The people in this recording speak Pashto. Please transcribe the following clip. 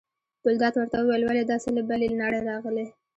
ګلداد ورته وویل: ولې دا څه له بلې نړۍ راغلي.